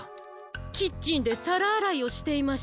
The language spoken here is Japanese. キッチンでさらあらいをしていました。